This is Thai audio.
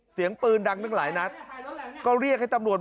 เสียงปืนดังนึงหลายนัด